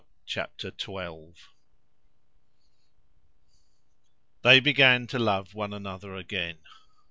Chapter Twelve They began to love one another again.